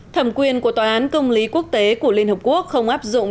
thẩm quyền của tòa án công lý quốc tế của liên hợp quốc không áp dụng